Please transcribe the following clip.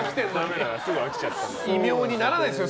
異名にならないですよ